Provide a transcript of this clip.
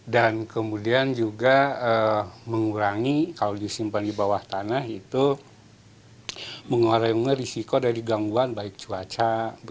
dan kemudian juga mengurangi kalau disimpan di bawah tanah itu mengurangi risiko dari gangguan baik cuaca